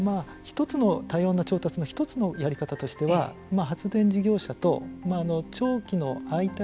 多様な調達の１つのやり方としては発電事業者と長期の相対。